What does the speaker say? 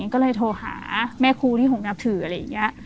ก็เลยโทรหาแม่ครูที่ผมนับถืออะไรอย่างนี้